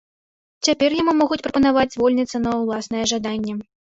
Цяпер яму могуць прапанаваць звольніцца на ўласнае жаданне.